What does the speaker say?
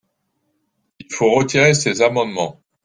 Il faut retirer ces amendements